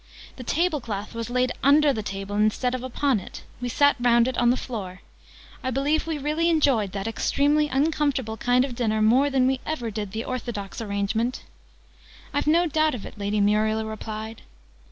The table cloth was laid under the table, instead of upon it: we sat round it on the floor: and I believe we really enjoyed that extremely uncomfortable kind of dinner more than we ever did the orthodox arrangement!" "I've no doubt of it," Lady Muriel replied.